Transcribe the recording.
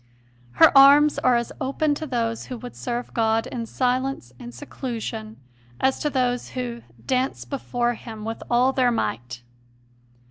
Her arms are as open to those who would serve God in silence and seclusion as to those who "dance before Him with all their might.